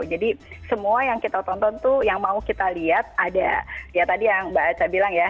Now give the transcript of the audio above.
semua yang kita tonton tuh yang mau kita lihat ada ya tadi yang mbak aca bilang ya